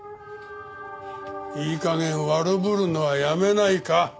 いい加減悪ぶるのはやめないか？